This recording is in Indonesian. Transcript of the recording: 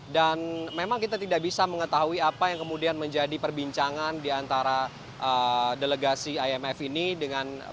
dan memang kita tidak bisa mengetahui apa yang kemudian menjadi perbincangan di antara delegasi imf ini dengan presiden